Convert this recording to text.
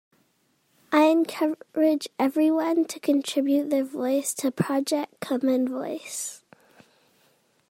I encourage everyone to contribute their voice to Project Common Voice.